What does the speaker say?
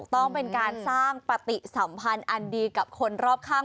ต้องเป็นการสร้างปฏิสัมพันธ์อันดีกับคนรอบข้าง